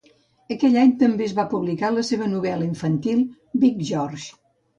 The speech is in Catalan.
Aquell any també es va publicar la seva novel·la infantil "Big George".